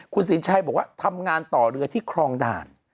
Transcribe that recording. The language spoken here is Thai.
คุณสินชัยบอกว่าทำงานต่อเรือที่ครองด่าน